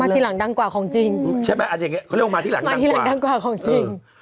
มาที่หลังดังกว่าของจริงใช่ไหมอันอย่างเงี้ยเขาเรียกว่ามาที่หลังดังกว่ามาที่หลังดังกว่าของจริง